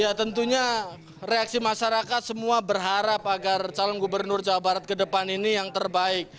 ya tentunya reaksi masyarakat semua berharap agar calon gubernur jawa barat ke depan ini yang terbaik